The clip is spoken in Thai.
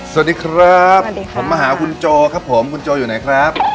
สวัสดีครับสวัสดีครับผมมาหาคุณโจครับผมคุณโจอยู่ไหนครับ